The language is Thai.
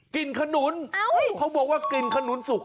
ขนุนเขาบอกว่ากลิ่นขนุนสุก